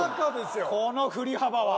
この振り幅は。